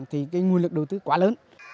thì nguồn lực đầu tư quá lớn